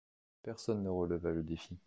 Personne ne releva le défi.